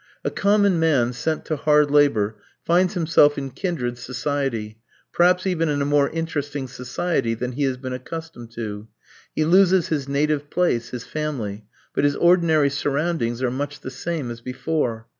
A common man sent to hard labour finds himself in kindred society, perhaps even in a more interesting society than he has been accustomed to. He loses his native place, his family; but his ordinary surroundings are much the same as before.